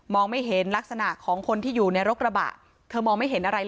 ไม่เห็นลักษณะของคนที่อยู่ในรถกระบะเธอมองไม่เห็นอะไรเลย